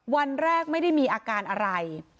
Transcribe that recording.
วันแรกไม่ได้มีอาการอะไร